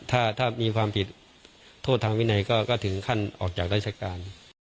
ถ้ามีความผิดโทษทางวินัยก็ถึงขั้นออกจากราชการ